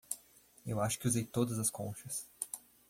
Eu acho que usei todas as conchas.